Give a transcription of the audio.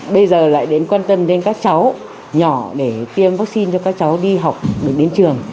bây giờ lại đến quan tâm đến các cháu nhỏ để tiêm vaccine cho các cháu đi học được đến trường